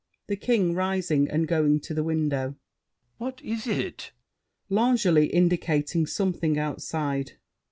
THE KING (rising and going to the window). What is it? L'ANGELY (indicating something outside).